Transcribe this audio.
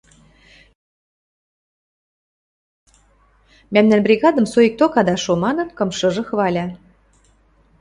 – Мӓмнӓн бригадым соикток ада шо, – манын, кымшыжы хваля.